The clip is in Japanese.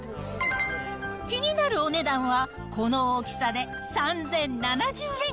気になるお値段は、この大きさで３０７０円。